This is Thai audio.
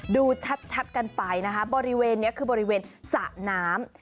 ดูชัดกันไปนะคะบริเวณนี้คือบริเวณสระน้ำ